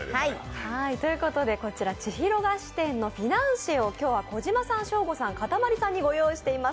こちら、ちひろ菓子店のフィナンシェを今日は小島さん、ショーゴさん、かたまりさんにご用意してます。